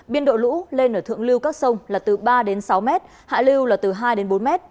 biên độ lũ lên ở thượng lưu các sông là từ ba đến sáu m hạ lưu là từ hai đến bốn m